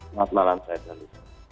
selamat malam sehat selalu